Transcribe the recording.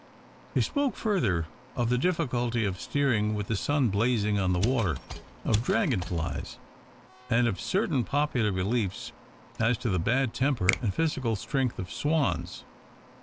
They spoke further of the difficulty of steer ing with the sun blazing on the water, of dragon flies, and of certain popular beliefs as to the bad temper and physical strength of swans.